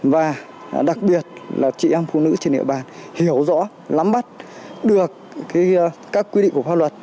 và đặc biệt là chị em phụ nữ trên địa bàn hiểu rõ lắm bắt được các quy định của pháp luật